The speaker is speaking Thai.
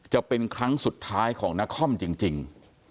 จะเป็นครั้งสุดท้ายของนครจริง